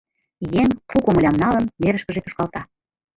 Еҥ, пу комылям налын, нерышкыже тушкалта.